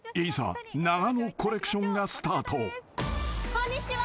こんにちは！